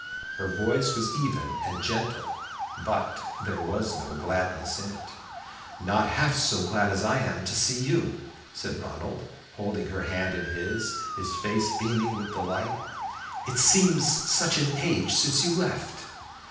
Her voice was even and gentle, but there was no gladness in it. "Not half so glad as I am to see you," said Ronald, holding her hand in his, his face beaming with delight. "It seems such an age since you left!"